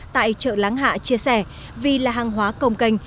tại chợ láng hạ chia sẻ vì là hàng hóa cồng cành